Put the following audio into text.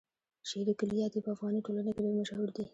شعري کلیات يې په افغاني ټولنه کې ډېر مشهور دي.